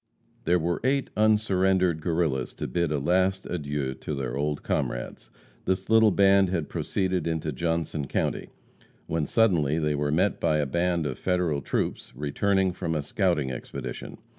There were eight unsurrendered Guerrillas to bid a last adieu to their old comrades. This little band had proceeded into Johnson county, when suddenly they were met by a band of Federal troops returning from a scouting expedition.